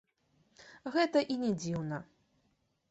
Гэта і не дзіўна.